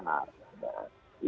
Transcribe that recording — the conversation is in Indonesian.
nah ini semua adalah amunisi